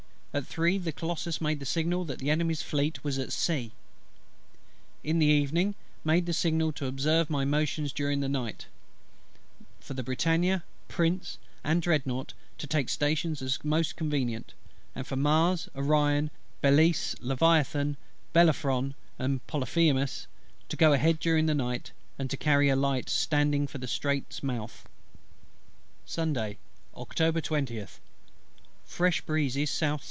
At three the Colossus made the signal that the Enemy's Fleet was at sea. In the evening made the signal to observe my motions during the night; for the Britannia, Prince, and Dreadnought, to take stations as most convenient; and for Mars, Orion, Belleisle, Leviathan, Bellerophon, and Polyphemus, to go ahead during the night, and to carry a light, standing for the Straits' mouth. Sunday, Oct. 20th. Fresh breezes S.S.